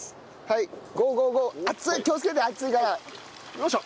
よいしょ！